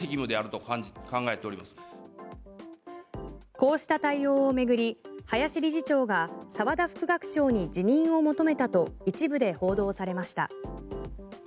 こうした対応を巡り林理事長が澤田副学長に辞任を求めたと一部で報道されました。